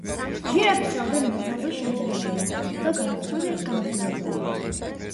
ჟირაფის რაოდენობა ძალზე შემცირებულია, ხოლო ზოგან სრულიად განადგურებულია.